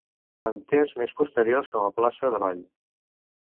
En temps més posteriors com a plaça d'Avall.